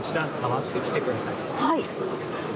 はい。